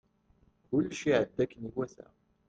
Kullec iɛedda akken iwata.